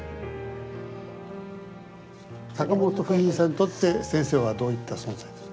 坂本冬美さんにとって先生はどういった存在です？